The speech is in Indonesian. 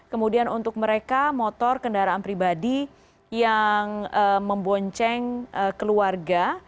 kemudian untuk mereka motor kendaraan pribadi yang membonceng keluarga